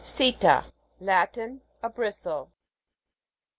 SE'TA. Latin. A bristle.